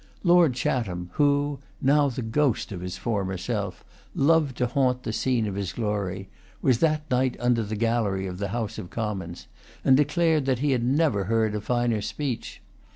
Lord Chatham, who, now the ghost of his former self, loved to haunt the scene of his glory, was that night under the gallery of the House of Commons, and declared that he had never heard a finer speech.